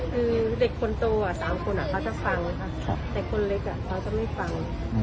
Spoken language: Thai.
คือเด็กคนโต๓คนเขาจะฟังนะคะแต่คนเล็กเขาจะไม่ฟัง